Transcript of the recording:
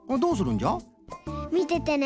みててね。